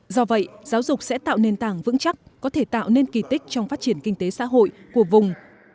do vậy giáo dục sẽ tạo nền tảng vững chắc có thể tạo nên kỳ tích trong phát triển kinh tế xã hội của vùng